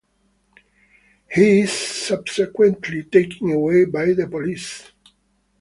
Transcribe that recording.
He is subsequently taken away by the police.